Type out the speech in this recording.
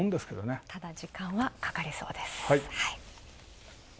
ただ時間はかかりそうです。